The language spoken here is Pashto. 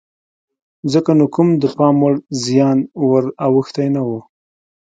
ځکه نو کوم د پام وړ زیان ور اوښتی نه و.